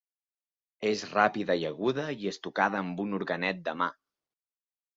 És ràpida i aguda, i és tocada amb un orguenet de mà.